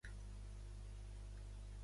Dimarts en Miquel i en Gerard iran a Casinos.